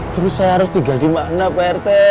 terus saya harus tinggal dimana prt